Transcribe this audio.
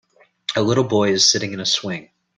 A little boy is sitting in a swing.